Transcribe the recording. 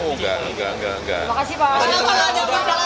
enggak enggak enggak